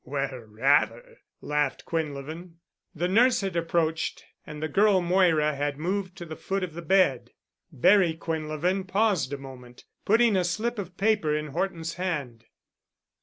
"Well, rather," laughed Quinlevin. The nurse had approached and the girl Moira had moved to the foot of the bed. Barry Quinlevin paused a moment, putting a slip of paper in Horton's hand.